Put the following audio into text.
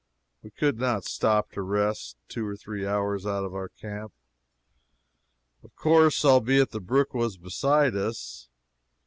We could not stop to rest two or three hours out from our camp, of course, albeit the brook was beside us.